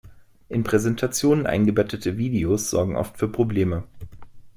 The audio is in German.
In Präsentationen eingebettete Videos sorgen oft für Probleme.